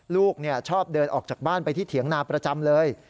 ลูกชอบเดินออกจากบ้านไปที่เถียงนาประจำเลย